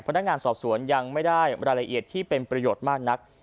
พนักงานสอบสวนยังไม่ได้รายละเอียดที่เป็นประโยชน์มากนัก